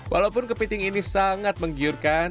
walaupun kepiting ini sangat menggiurkan